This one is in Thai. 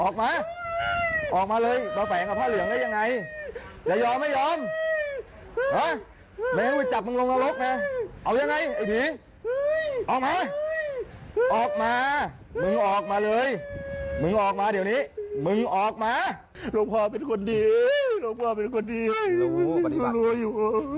ก็พล้อยไปนะที่นี่สำนึกได้ก็ไปแล้ว